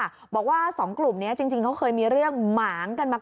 แบบนี้ค่ะบอกว่าสองกลุ่มเนี้ยจริงจริงเขาเคยมีเรื่องหมางกันมา